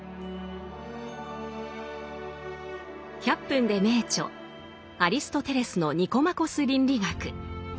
「１００分ｄｅ名著」アリストテレスの「ニコマコス倫理学」。